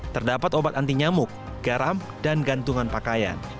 terdapat obat anti nyamuk garam dan gantungan pakaian